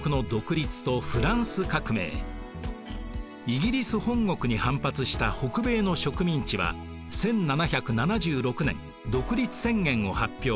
イギリス本国に反発した北米の植民地は１７７６年独立宣言を発表。